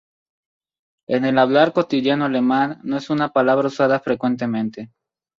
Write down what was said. En el hablar cotidiano alemán, no es una palabra usada frecuentemente.